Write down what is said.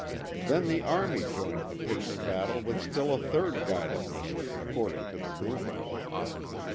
Then the Army joined the pitched battle with still a third guided missile, according to the rumors.